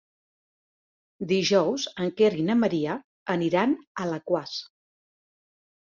Dijous en Quer i na Maria aniran a Alaquàs.